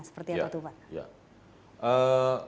seperti apa itu pak